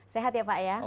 sehat ya pak ya